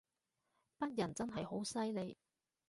北人真係好犀利